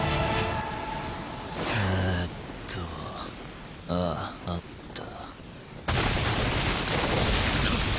えっとあああった。